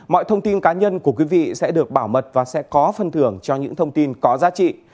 mọi thông tin cá nhân của quý vị sẽ được bảo mật và sẽ có phân thưởng cho những thông tin có giá trị